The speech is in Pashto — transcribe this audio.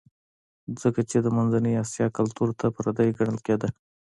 ځکه چې د منځنۍ اسیا کلتور ته پردی ګڼل کېده